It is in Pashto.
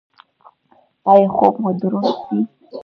ایا خوب مو دروند دی؟